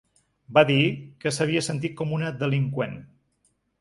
Va dir que s’havia sentit ‘com una delinqüent’.